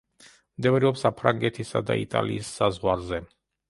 მდებარეობს საფრანგეთისა და იტალიის საზღვარზე.